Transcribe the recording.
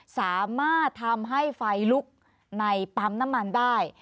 สามารถทำให้ไฟลุกในปั๊มน้ำมันได้